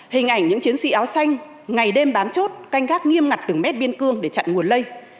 hình ảnh những chiến sĩ áo xanh ngày đêm bám chốt canh gác nghiêm ngặt từng mét biên cương để chặn nguồn lây